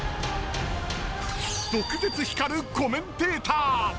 毒舌光るコメンテーター。